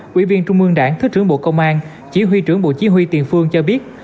quỹ viên trung mương đảng thứ trưởng bộ công an chỉ huy trưởng bộ chí huy tiền phương cho biết